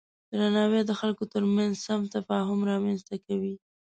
درناوی د خلکو ترمنځ سم تفاهم رامنځته کوي.